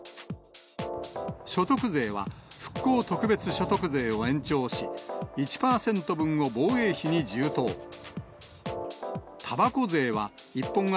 所得税は復興特別所得税を延長し、１％分を防衛費に充当。